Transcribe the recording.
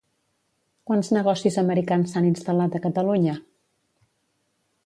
Quants negocis americans s'han instal·lat a Catalunya?